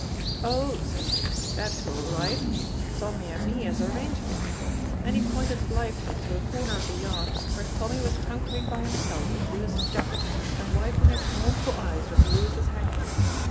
'Oh' says he, 'that's all right, Tommy and me has arranged it,' and he pointed blithely to a corner of the yard where Tommy was hunkering by himself in Lewis's jacket, and wiping his mournful eyes with Lewis's hanky.